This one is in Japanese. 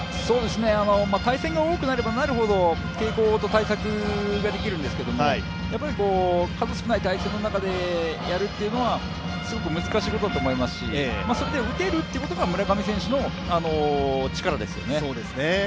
対戦が多くなればなるほど傾向と対策ができるんですけど数少ない対戦の中でやるというのは、すごく難しいことだと思いますしそこで打てるということが村上選手の力ですよね。